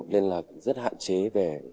nên là rất hạn chế về vấn đề